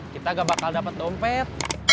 kita gak bakal dapat dompet